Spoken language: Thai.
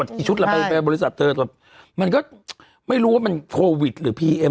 ก็ไม่รู้ว่ามันโควิดหรือพีเอ็ม